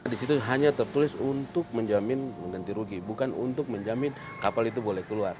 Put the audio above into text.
di situ hanya tertulis untuk menjamin ganti rugi bukan untuk menjamin kapal itu boleh keluar